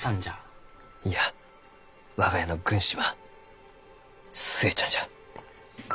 いや我が家の軍師は寿恵ちゃんじゃ。